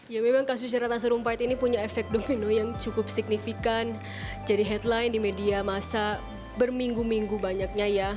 ya memang kasusnya ratna sarumpait ini punya efek domino yang cukup signifikan jadi headline di media masa berminggu minggu banyaknya ya